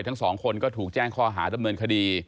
ทั้งสองคนก็ถูกแจ้งข้อหาดำเนินคดี